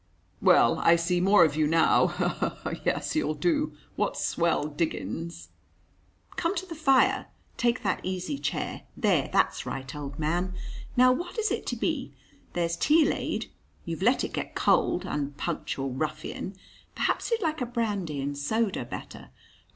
"Well, I see more of you now, he! he! he! Yes, you'll do. What swell diggings!" "Come to the fire. Take that easy chair. There, that's right, old man. Now, what is it to be? There's tea laid you've let it get cold, unpunctual ruffian. Perhaps you'd like a brandy and soda better?"